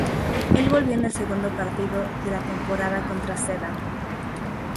Él volvió en el segundo partido de la temporada contra Sedan.